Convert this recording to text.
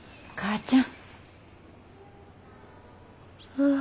ああ。